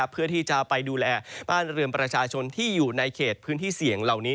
เพื่อที่จะไปดูแลบ้านเรือนประชาชนที่อยู่ในเขตพื้นที่เสี่ยงเหล่านี้